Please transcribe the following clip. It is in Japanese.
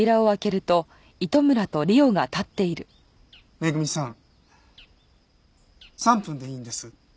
恵さん３分でいいんです。